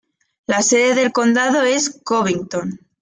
La sede del condado es Covington.